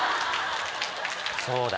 そうだ！